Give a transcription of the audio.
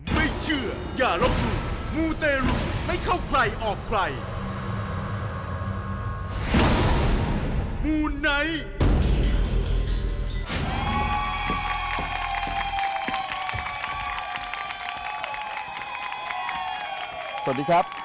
มูไนท์